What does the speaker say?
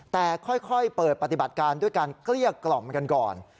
แต่ค่อยเปิดปฏิบัติการด้วยการเกลี้ยกล่อมกันก่อน